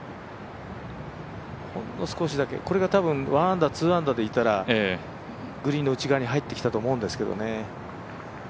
ほんの少しだけ、これが１アンダー、２アンダーでいたらグリーンの内側に入ってきたと思うんですけどね。